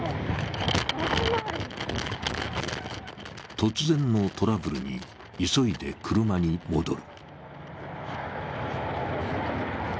突然のトラブルに、急いで車に戻る。